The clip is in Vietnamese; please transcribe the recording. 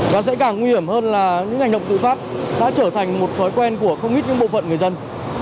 và dễ càng nguy hiểm hơn là những hành động tự phát đã trở thành một thói quen của không ít những bộ phận người dân